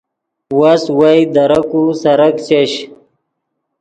وس وئے درک و سرک چش